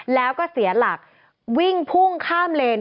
แล้วก็เสียหลักวิ่งพุ่งข้ามเลน